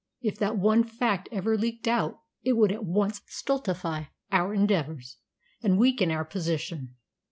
If that one fact ever leaked out it would at once stultify our endeavours and weaken our position.